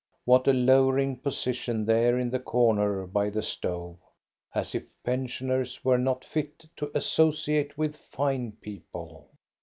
^ What a lowering position there in the corner by the stove. As if pensioners were not fit to associate with fine people